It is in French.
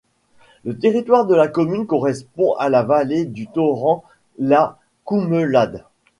Le territoire de la commune correspond à la vallée du torrent la Coumelade.